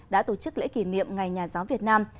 đã tổ chức lễ kỷ niệm ngày nhà giáo việt nam